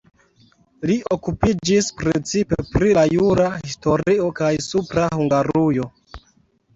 Li okupiĝis precipe pri la jura historio kaj Supra Hungarujo.